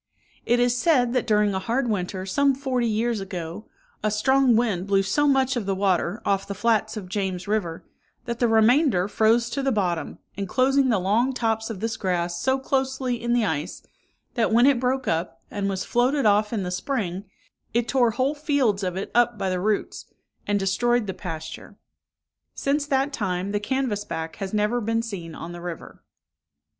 It is said, that during a hard winter, some forty years ago, a strong wind blew so much of the water off the flats of James river, that the remainder froze to the bottom, enclosing the long tops of this grass so closely in the ice, that when it broke up, and was floated off in the spring, it tore whole fields of it up by the roots, and destroyed the pasture. Since that time, the canvass back has never been seen on the river.